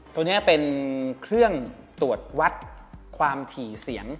ตัวนี้เป็นเครื่องตรวจวัดความถี่เสียง